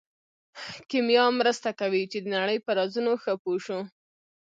کیمیا مرسته کوي چې د نړۍ په رازونو ښه پوه شو.